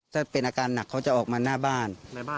ถ้าเป็นอาการหนักเขาจะออกมาหน้าบ้าน